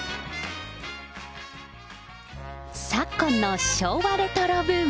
昨今の昭和レトロブーム。